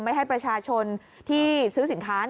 ไม่ให้ประชาชนที่ซื้อสินค้า